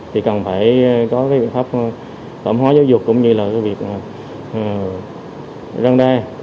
thì cần phải có cái biện pháp tổng hóa giáo dục cũng như là cái việc răn đe